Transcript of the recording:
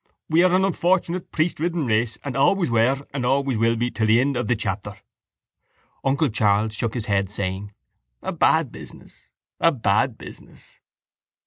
We are an unfortunate priestridden race and always were and always will be till the end of the chapter. Uncle Charles shook his head, saying: —A bad business! A bad business!